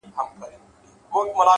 زه خو اوس هم يم هغه کس راپسې وبه ژاړې;